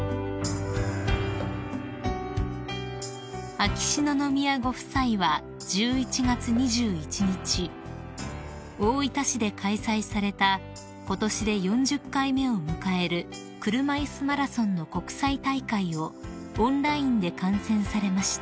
［秋篠宮ご夫妻は１１月２１日大分市で開催されたことしで４０回目を迎える車いすマラソンの国際大会をオンラインで観戦されました］